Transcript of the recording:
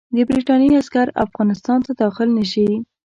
د برټانیې عسکر افغانستان ته داخل نه شي.